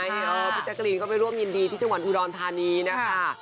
พี่แจ๊กรีนก็ไปร่วมยินดีที่จังหวัดอุดรธานีนะคะ